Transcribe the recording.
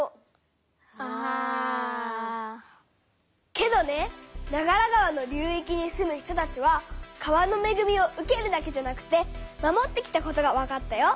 けどね長良川の流いきに住む人たちは川のめぐみを受けるだけじゃなくて守ってきたことがわかったよ。